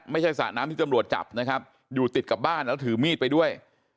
สระน้ำที่ตำรวจจับนะครับอยู่ติดกับบ้านแล้วถือมีดไปด้วย